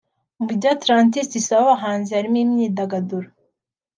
Mu byo Atlantis isaba abahinzi harimo imyirondoro